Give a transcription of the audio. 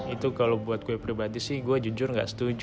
itu kalau buat gue pribadi sih gue jujur gak setuju